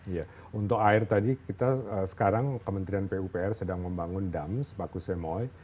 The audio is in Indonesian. iya untuk air tadi kita sekarang kementerian pupr sedang membangun dam sebaku semoy